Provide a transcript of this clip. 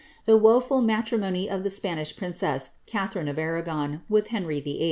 The woeful matrimony of the Spanish princess, Katha rine of Arragon, with Henry VIII.